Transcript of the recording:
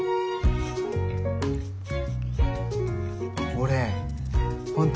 俺本当